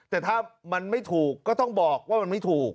แต่ถ้ามันไม่ถูกก็ต้องบอกว่ามันไม่ถูก